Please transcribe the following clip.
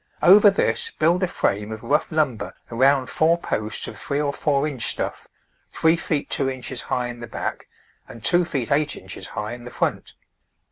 Over this build a frame of rough lumber around four posts of three or four inch stuff, three feet two inches high in the back, and two feet eight inches high in the front.